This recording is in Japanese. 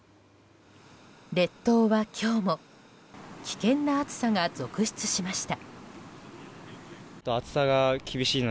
列島は今日も危険な暑さが続出しました。